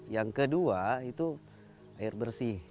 yang kedua itu air bersih